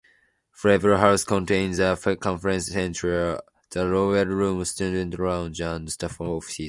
Flavelle House contains a conference centre, the Rowell Room student lounge, and staff offices.